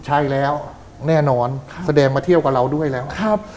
ใช่แล้วแน่นอนแสดงมาเที่ยวกับเราด้วยแล้วครับ